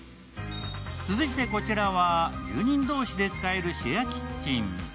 続いてこちらは住人同士で使えるシェアキッチン。